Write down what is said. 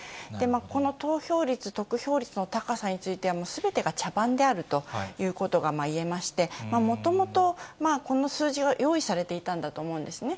この投票率、得票率の高さについては、すべてが茶番であるということがいえまして、もともとこの数字が用意されていたんだと思うんですね。